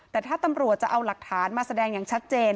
แต่ถ้าตำรวจจะเอาหลักฐานมาแสดงอย่างชัดเจน